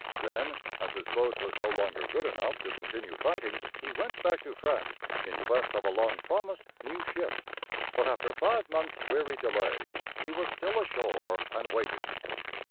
Then, as his boat was no longer good enough to continue fighting, he went back to France, in quest of a long promised new ship. But after five months' weary delay, he was still ashore and waiting.